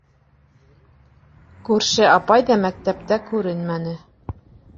Күрше апай ҙа мәктәптә күренмәне.